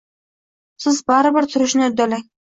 Siz baribir turishni uddalang.